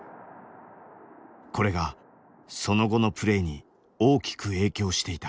これがその後のプレーに大きく影響していた。